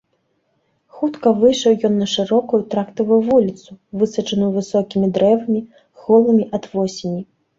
Хутка выйшаў ён на шырокую трактавую вуліцу, высаджаную высокімі дрэвамі, голымі ад восені.